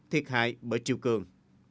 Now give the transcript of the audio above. thiệt hại bởi chiều cường